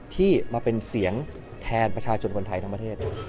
ที่มาเป็นเสียงแทนประชาชนคนไทยทั้งประเทศ